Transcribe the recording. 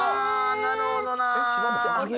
なるほどなー。